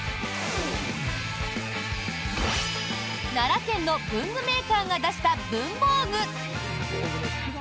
奈良県の文具メーカーが出した文房具。